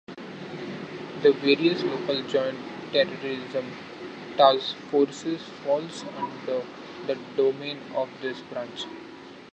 The various local Joint Terrorism Task Forces falls under the domain of this branch.